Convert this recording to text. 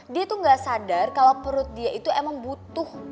dia tuh gak sadar kalau perut dia itu emang butuh